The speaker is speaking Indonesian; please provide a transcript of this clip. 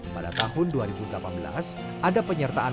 pada tahun dua ribu delapan belas